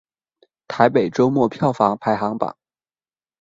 台北周末票房排行榜